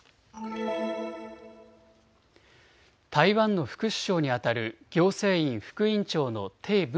台湾の副首相にあたる行政院副院長の鄭文